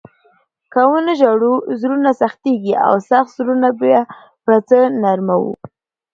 که و نه ژاړو، زړونه سختېږي او سخت زړونه به په څه نرموو؟